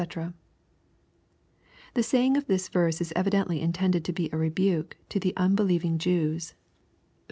] The saying of this verse is evidently intended to be a rebuke to the untelieving J3ws, who LUKE, CHAP.